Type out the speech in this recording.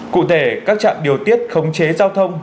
cụ thể các trạm điều tiết khống chế giao thông